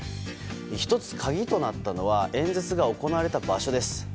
１つ、鍵となったのは演説が行われた場所です。